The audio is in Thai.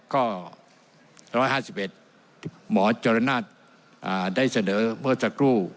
ก็ร้อยห้าสิบเอ็ดหมอจรรย์นาฏอ่าได้เสนอเมื่อสักครู่